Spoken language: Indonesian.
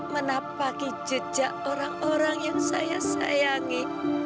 menapaki jejak orang orang yang saya sayangi